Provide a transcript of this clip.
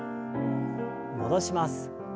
戻します。